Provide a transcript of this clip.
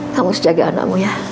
kamu sejaga anakmu ya